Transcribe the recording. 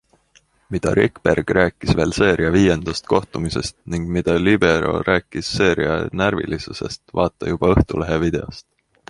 Mida Rikberg rääkis veel seeria viiendast kohtumisest ning mida libero rääkis seeria närvilisusest, vaata juba Õhtulehe videost!